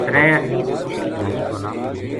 ترے آدمی اُت شہید ہوگیا